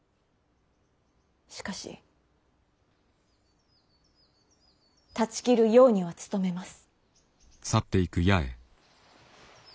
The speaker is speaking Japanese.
しかし断ち切るようには努めます。